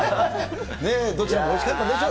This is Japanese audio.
どちらもおいしかったでしょう。